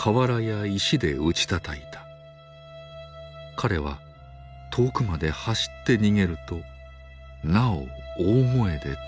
彼は遠くまで走って逃げるとなお大声で唱えて言った。